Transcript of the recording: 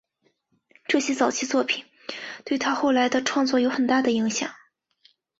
这些早期作品对他后来的创作有很大影响。